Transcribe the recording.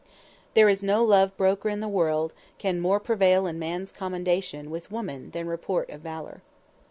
_"There is no love broker in the world can more prevail in man's commendation with woman than report of valor."